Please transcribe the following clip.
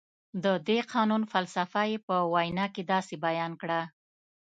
د دې قانون فلسفه یې په وینا کې داسې بیان کړه.